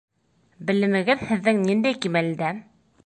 Белемегеҙ һеҙҙең ниндәй кимәлдә?